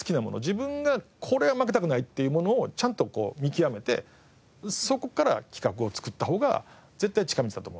自分がこれは負けたくないっていうものをちゃんと見極めてそこから企画を作ったほうが絶対近道だと思うんですよね。